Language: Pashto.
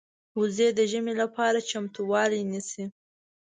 وزې د ژمې لپاره چمتووالی نیسي